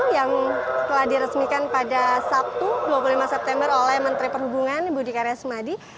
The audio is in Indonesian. yang telah diresmikan pada sabtu dua puluh lima september oleh menteri perhubungan budi karya sumadi